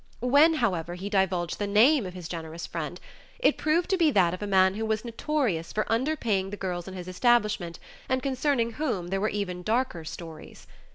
When, however, he divulged the name of his generous friend, it proved to be that of a man who was notorious for underpaying the girls in his establishment and concerning whom there were even darker stories.